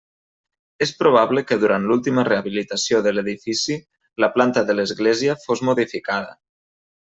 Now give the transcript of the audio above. És probable que durant l'última rehabilitació de l'edifici, la planta de l'església fos modificada.